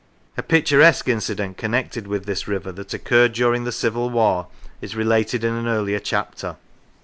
A picturesque incident connected with this river that occurred during the Civil War is related in an earlier chapter.